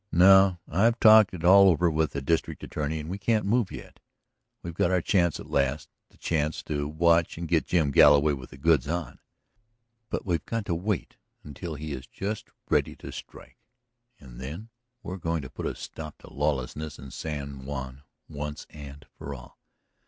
No; I've talked it all over with the district attorney and we can't move yet. We've got our chance at last; the chance to watch and get Jim Galloway with the goods on. But we've got to wait until he is just ready to strike. And then we are going to put a stop to lawlessness in San Juan once and for all."